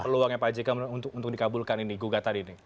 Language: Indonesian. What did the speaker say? peluangnya pak ajika untuk dikabulkan ini gugat tadi ini